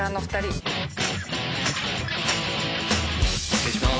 失礼しまーす。